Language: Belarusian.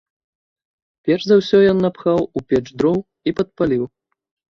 Перш за ўсё ён напхаў у печ дроў і падпаліў.